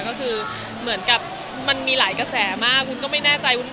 ของกลัวเหมือนจะมาหลายแบบมากแล้วผมจะไม่รู้ที่ไหน